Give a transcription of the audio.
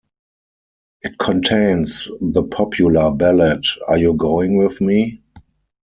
It contains the popular ballad "Are You Going With Me?".